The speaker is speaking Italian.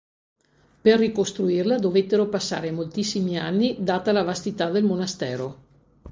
Per ricostruirla dovettero passare moltissimi anni data la vastità del monastero.